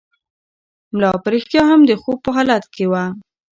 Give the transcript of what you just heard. ملا په رښتیا هم د خوب په حالت کې و.